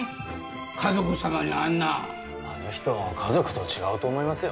華族様にあんなあの人華族と違うと思いますよ